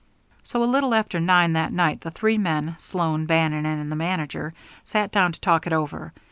So a little after nine that night the three men, Sloan, Bannon, and the manager, sat down to talk it over.